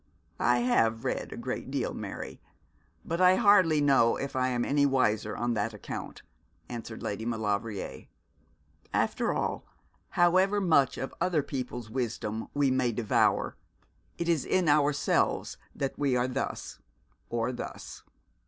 'I have read a great deal, Mary, but I hardly know if I am any wiser on that account,' answered Lady Maulevrier. 'After all, however much of other people's wisdom we may devour, it is in ourselves that we are thus, or thus.